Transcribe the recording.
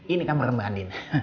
ini kamar mbak andin